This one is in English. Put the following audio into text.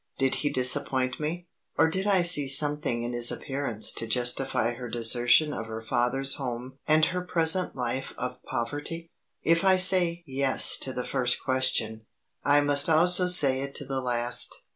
Did he disappoint me; or did I see something in his appearance to justify her desertion of her father's home and her present life of poverty? If I say Yes to the first question, I must also say it to the last.